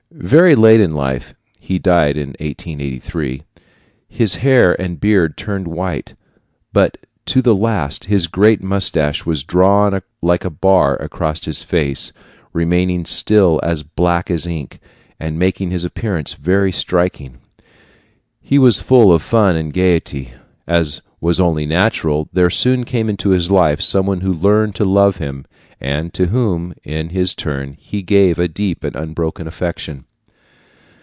Very late in life he died in 1883 his hair and beard turned white, but to the last his great mustache was drawn like a bar across his face, remaining still as black as ink, and making his appearance very striking. He was full of fun and gaiety. As was only natural, there soon came into his life some one who learned to love him, and to whom, in his turn, he gave a deep and unbroken affection.